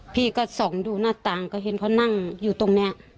พี่ก็ส่องดูหน้าต่างก็เห็นเขานั่งอยู่ตรงนี้